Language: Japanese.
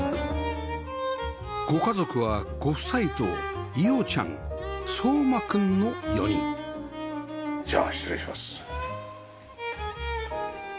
ご家族はご夫妻と彩央ちゃん蒼真くんの４人じゃあ失礼します。